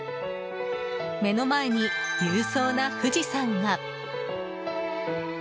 目の前に雄壮な富士山が。